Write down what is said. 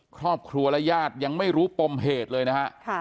ครอบครัวและญาติยังไม่รู้ปมเหตุเลยนะฮะ